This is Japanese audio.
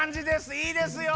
いいですよ！